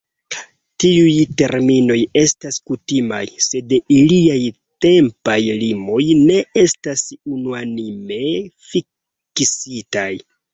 Tiuj terminoj estas kutimaj, sed iliaj tempaj limoj ne estas unuanime fiksitaj.